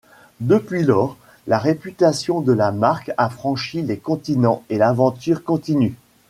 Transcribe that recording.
Depuis lors, la réputation de la marque a franchi les continents et l'aventure continue.